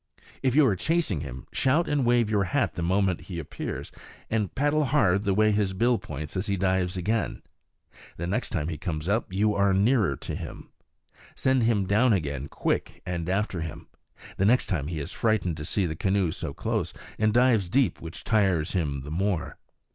If you are chasing him, shout and wave your hat the moment he appears, and paddle hard the way his bill points as he dives again. The next time he comes up you are nearer to him. Send him down again quick, and after him. The next time he is frightened to see the canoe so close, and dives deep, which tires him the more.